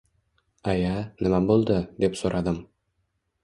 Aya, nima boʻldi? – deb soʻradim.